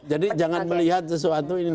jadi jangan melihat sesuatu ini